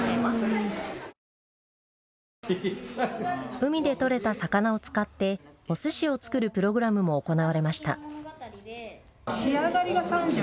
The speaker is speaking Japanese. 海で取れた魚を使っておすしを作るプログラムも行われました。